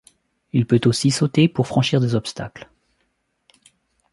Il peut aussi sauter pour franchir des obstacles.